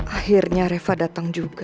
akhirnya reva datang juga